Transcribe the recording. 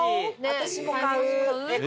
私も買う。